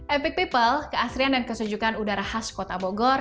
epic people keasrian dan kesejukan udara khas kota bogor